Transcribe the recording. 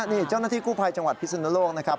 นี่เจ้าหน้าที่กู้ภัยจังหวัดพิศนุโลกนะครับ